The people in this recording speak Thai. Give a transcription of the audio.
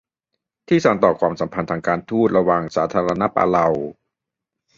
ที่สานต่อความสัมพันธ์ทางการฑูตระหว่างสาธารณรัฐปาเลา